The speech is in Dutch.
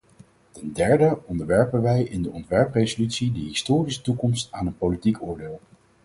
Ten derde onderwerpen wij in de ontwerpresolutie de historische toekomst aan een politiek oordeel.